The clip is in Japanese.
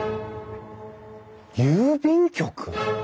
郵便局！？